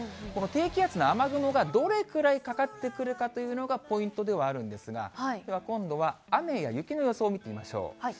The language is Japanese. この低気圧の雨雲がどれくらいかかってくるかというのがポイントではあるんですが、では今度は雨や雪の予想を見てみましょう。